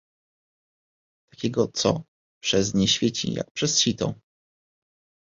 "takiego, co przez nie świeci, jak przez sito."